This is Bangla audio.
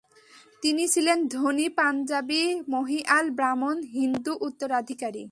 তিনি ছিলেন ধনী পাঞ্জাবী মহিয়াল ব্রাহ্মণ হিন্দু উত্তরাধিকারী।